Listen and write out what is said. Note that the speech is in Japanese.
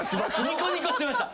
ニコニコしてました。